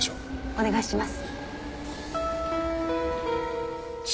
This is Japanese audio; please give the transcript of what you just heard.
お願いします。